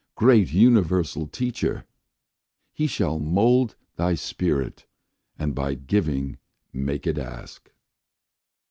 Great universal Teacher! he shall mould Thy spirit, and by giving make it ask.